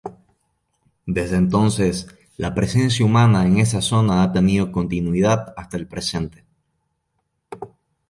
Desde entonces, la presencia humana en esa zona ha tenido continuidad hasta el presente.